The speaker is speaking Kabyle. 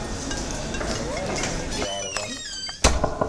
Anwa ay ten-id-iɛerḍen?